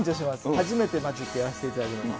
初めてマジックやらせていただきます。